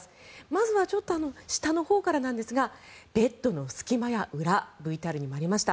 まずは下のほうからなんですがベッドの隙間や裏ＶＴＲにもありました。